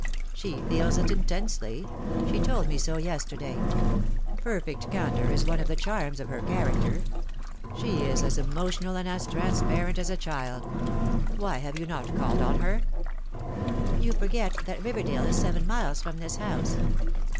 " She feels it intensely. She told me so yesterday. Perfect candour is one of the charms of her character. She is as emo tional and as transparent as a child. Why have yon not called on her?" " Your forget that Eiverdale is seven miles from this house."